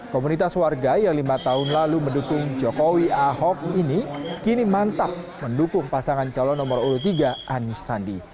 komunitas warga yang lima tahun lalu mendukung jokowi ahok ini kini mantap mendukung pasangan calon nomor urut tiga anis sandi